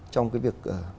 trong cái việc